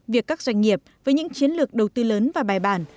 việc các doanh nghiệp với những chiến lược đầu tư lớn và bài bản